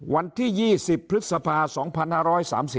วันที่๒๐พฤษภา๒๕๐๐ปี